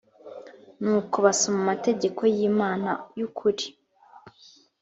nuko basoma amategeko y imana y ukuri